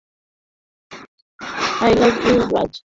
I love you, Raj.